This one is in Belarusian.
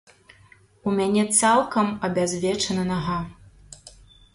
У мяне цалкам абязвечана нага.